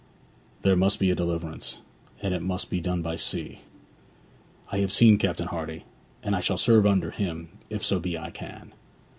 There must be a deliverance, and it must be done by sea. I have seen Captain Hardy, and I shall serve under him if so be I can.'